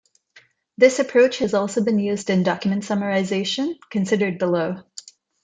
This approach has also been used in document summarization, considered below.